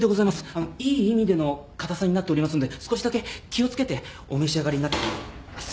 あのいい意味での硬さになっておりますので少しだけ気を付けてお召し上がりになっ熱っ。